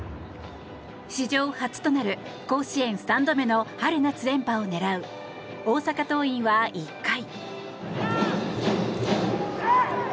史上初となる甲子園３度目の春夏連覇を狙う大阪桐蔭は１回。